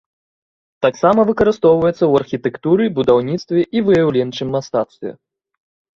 Таксама выкарыстоўваецца ў архітэктуры, будаўніцтве і выяўленчым мастацтве.